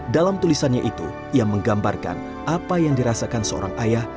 dalam tulisannya itu ia menggambarkan apa yang dirasakan seorang ayah